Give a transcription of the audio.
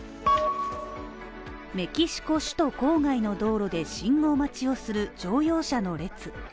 メキシコ首都郊外の道路で信号待ちをする乗用車の列。